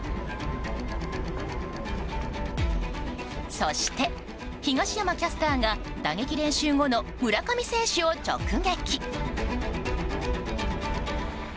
そして、東山キャスターが打撃練習後の村上選手を直撃。